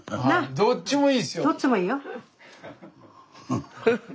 どっちもいいよ。